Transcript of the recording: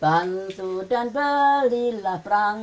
perang tu amat belilah perang